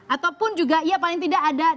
ataupun juga ya paling tidak ada nilai y